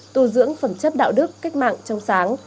tù dưỡng phẩm chất đạo đức cách mạng trông sáng